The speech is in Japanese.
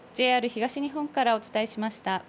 ＪＲ東日本からお伝えしました。